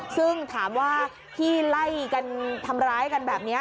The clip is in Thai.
ซึ่งถามว่าที่ไล่กันทำร้ายกันแบบนี้